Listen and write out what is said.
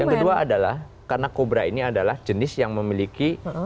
yang kedua adalah karena kobra ini adalah jenis yang memiliki